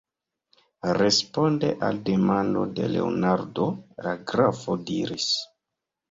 Responde al demando de Leonardo, la grafo diris: